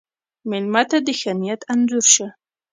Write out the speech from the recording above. مېلمه ته د ښه نیت انځور شه.